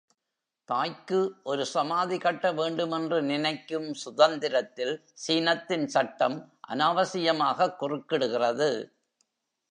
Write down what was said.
தாய்க்கு ஒரு சமாதி கட்ட வேண்டுமென்று நினைக்கும் சுதந்திரத்தில் சீனத்தின் சட்டம் அனாவசியமாகக் குறுக்கிடுகிறது.